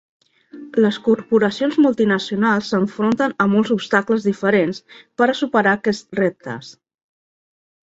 Les corporacions multinacionals s'enfronten a molts obstacles diferents per a superar aquests reptes.